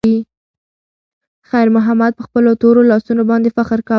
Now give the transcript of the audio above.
خیر محمد په خپلو تورو لاسونو باندې فخر کاوه.